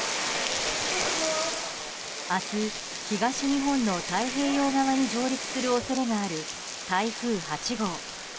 明日、東日本の太平洋側に上陸する恐れがある台風８号。